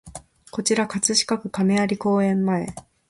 こちら葛飾区亀有公園前